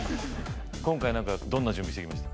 今回どんな準備してきました？